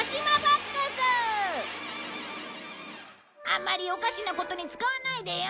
あんまりおかしなことに使わないでよ。